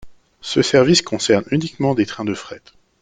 Ce service concerne uniquement des trains de fret.